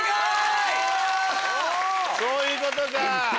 そういうことか。